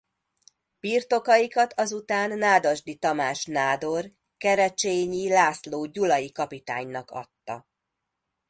Birtokaikat azután Nádasdy Tamás nádor Kerecsényi László gyulai kapitánynak adta.